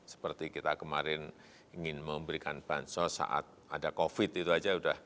seperti kita kemarin ingin memberikan bansos saat ada covid itu saja sudah